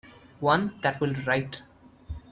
One that will write.